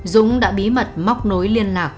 dũng đã bí mật móc nối liên lạc